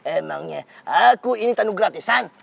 emangnya aku ini tanduk gratisan